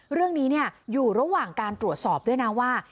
เรื่องนี้อยู่ระหว่างการตรวจสอบด้วยนะว่า